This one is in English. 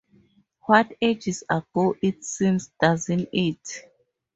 What ages ago it seems, doesn't it?